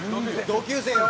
「同級生よ。